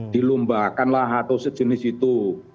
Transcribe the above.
dilombakanlah atau sejenis itu